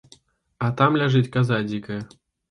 А там ляжыць каза дзікая.